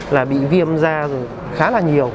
là bị viêm da khá là nhiều